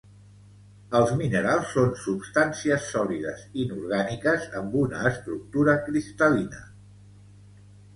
Els minerals són substàncies sòlides, inorgàniques amb una estructura cristal·lina